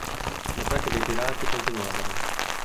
Gli attacchi dei pirati continuavano.